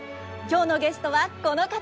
今日のゲストはこの方です。